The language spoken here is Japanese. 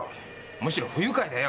むしろ不愉快だよ。